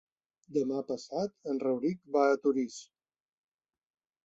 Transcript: Demà passat en Rauric va a Torís.